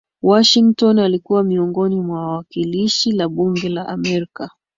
Washington alikuwa miongoni mwa wawakilishi la bunge la Amerika